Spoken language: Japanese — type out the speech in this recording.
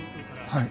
はい。